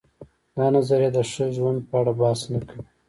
دا نظریه د ښه ژوند په اړه بحث نه کوي.